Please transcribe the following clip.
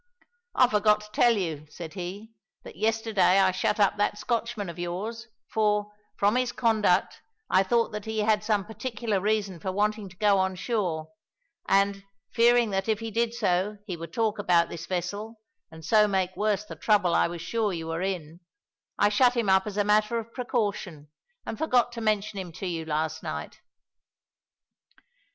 "I forgot to tell you," said he, "that yesterday I shut up that Scotchman of yours, for, from his conduct, I thought that he had some particular reason for wanting to go on shore; and, fearing that if he did so he would talk about this vessel, and so make worse the trouble I was sure you were in, I shut him up as a matter of precaution and forgot to mention him to you last night."